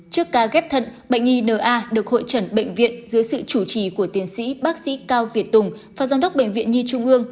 trước ca ghép thận bệnh nhi n a được hội chẩn bệnh viện dưới sự chủ trì của tiến sĩ bác sĩ cao việt tùng và giám đốc bệnh viện nhi trung ương